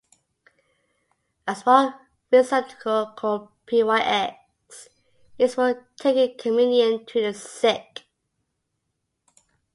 A small receptacle called a pyx is used for taking communion to the sick.